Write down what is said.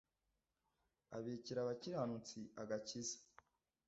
abikira abakiranutsi agakiza